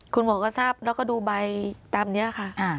คุณหมอก็ทราบแล้วก็ดูใบตามนี้ค่ะ